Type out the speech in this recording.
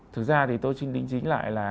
thực ra thì tôi chứng đính chính lại là